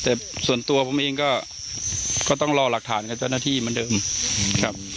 แต่ส่วนตัวผมเองก็ต้องรอหลักฐานกับเจ้าหน้าที่เหมือนเดิมครับ